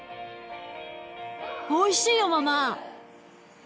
おいしいよママ。